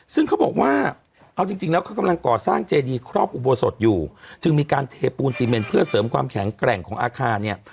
ซึ่งเขาบอกว่าเอาจริงจริงแล้วเขากำลังก่อสร้างเจดีครอบอุโบสถอยู่จึงมีการเทปูนซีเมนเพื่อเสริมความแข็งแกร่งของอาคารเนี่ย